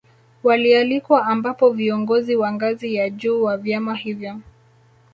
Walialikwa ambapo viongozi wa ngazi ya juu wa vyama hivyo